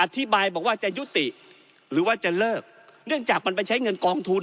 อธิบายบอกว่าจะยุติหรือว่าจะเลิกเนื่องจากมันไปใช้เงินกองทุน